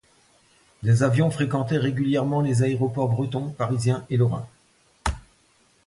Les avions fréquentaient régulièrement les aéroports bretons, parisiens et lorrains.